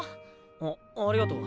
あっありがとう。